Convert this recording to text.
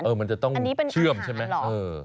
อือมันจะต้องเชื่อมใช่ไหมอันนี้เป็นอาหารหรอ